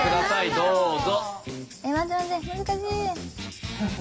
どうぞ。